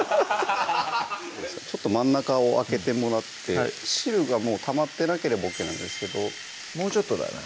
ちょっと真ん中を空けてもらって汁がもうたまってなければＯＫなんですけどもうちょっとだな